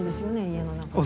家の中で。